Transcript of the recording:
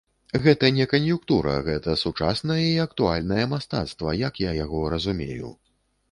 Гэта не кан'юнктура, гэта сучаснае і актуальнае мастацтва, як я яго разумею.